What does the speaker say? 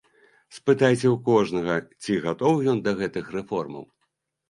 Спытайце ў кожнага, ці гатовы ён да гэтых рэформаў.